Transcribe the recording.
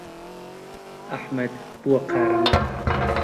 ئەحمەد بووە قارەمان.